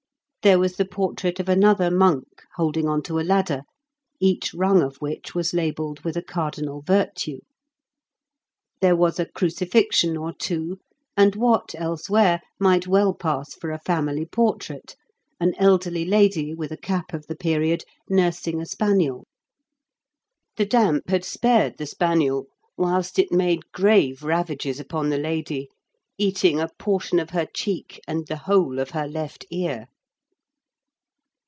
There was the portrait of another monk holding on to a ladder, each rung of which was labelled with a cardinal virtue. There was a crucifixion or two, and what elsewhere might well pass for a family portrait an elderly lady, with a cap of the period, nursing a spaniel. The damp had spared the spaniel whilst it made grave ravages upon the lady, eating a portion of her cheek and the whole of her left ear.